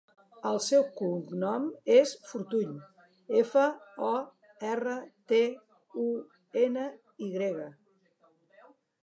El seu cognom és Fortuny: efa, o, erra, te, u, ena, i grega.